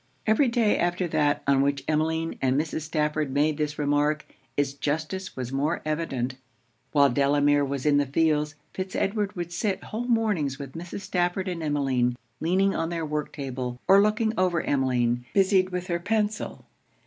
Every day after that on which Emmeline and Mrs. Stafford made this remark, it's justice was more evident. While Delamere was in the fields, Fitz Edward would sit whole mornings with Mrs. Stafford and Emmeline, leaning on their work table, or looking over Emmeline, busied with her pencil.